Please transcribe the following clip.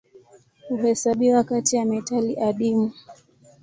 Huhesabiwa kati ya metali adimu.